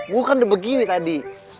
gue kan udah begini tadi